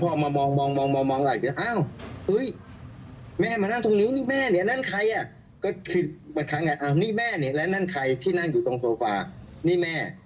อะหน้าเหอะแม่มานั่งตรงนี้